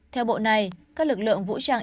theo bộ này các lực lượng vũ trang